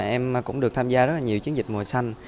em cũng được tham gia rất là nhiều chiến dịch mùa xanh